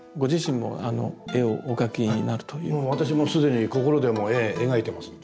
もう私も既に心でも絵描いてますので。